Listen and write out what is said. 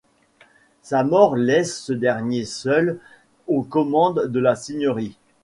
Sa mort laisse ce dernier seul aux commandes de la seigneurie.